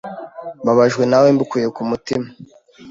Mbabajwe nawe mbikuye ku mutima.